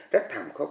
rất thảm khóa